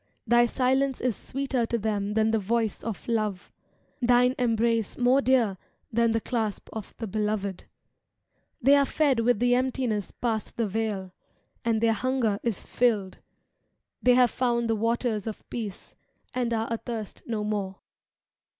Thy silence is sweeter to them than the voice of love. Thine embrace more dear than the clasp of the beloved. They are fed with the emptiness past the veil. o 1, Ol'O' i uiu uicii iiuijgci la micu^ They have found the waters of peace, And aie athiist no more.